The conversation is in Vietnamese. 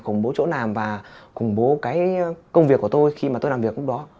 khủng bố chỗ nàm và khủng bố cái công việc của tôi khi mà tôi làm việc lúc đó